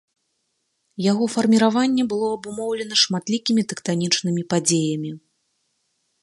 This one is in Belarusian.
Яго фарміраванне было абумоўлена шматлікімі тэктанічнымі падзеямі.